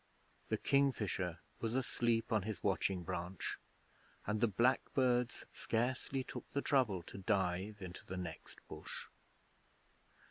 The kingfisher was asleep on his watching branch, and the blackbirds scarcely took the trouble to dive into the next bush.